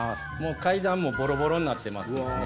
階段もボロボロになってますんでね。